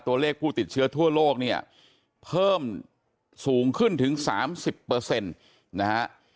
ตัวเลขผู้ติดเชื้อทั่วโลกเนี่ยเพิ่มสูงขึ้นถึง๓๐นะฮะ